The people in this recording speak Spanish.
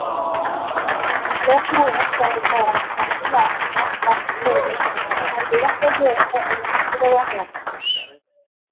Los muros se decoran con pilastras, capiteles y molduras de yeso en estilo barroco.